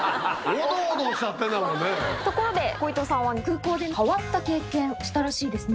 ところで鯉斗さんは空港で変わった経験したらしいですね。